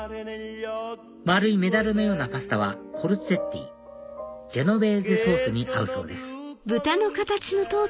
丸いメダルのようなパスタはコルツェッティジェノベーゼソースに合うそうです